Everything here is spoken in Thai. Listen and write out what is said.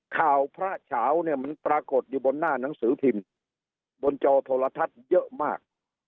พระเฉาเนี่ยมันปรากฏอยู่บนหน้าหนังสือพิมพ์บนจอโทรทัศน์เยอะมาก